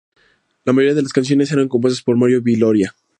La mayoría de las canciones eran compuestas por Mario Viloria.